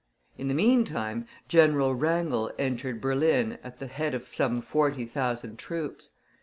In the meantime, General Wrangle entered Berlin at the head of some forty thousand troops.